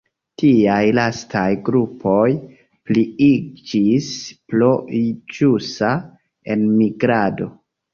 Tiaj lastaj grupoj pliiĝis pro ĵusa enmigrado.